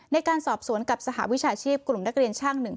ในการสอบสวนกับสหวิชาชีพกลุ่มนักเรียนช่างหนึ่ง